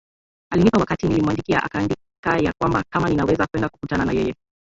alinipa wakati nilimwandikia akaandika ya kwamba kama ninaweza kwenda kukutana na yeye